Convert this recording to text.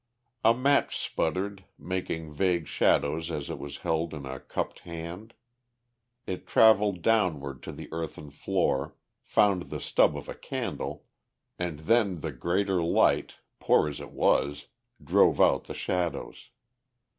A match sputtered, making vague shadows as it was held in a cupped hand. It travelled downward to the earthen floor, found the stub of a candle, and then the greater light, poor as it was, drove out the shadows.